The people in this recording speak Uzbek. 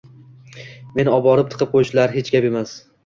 Meni oborib tiqib qo‘yishlari hech gap emas edi.